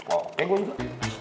oh ya gue juga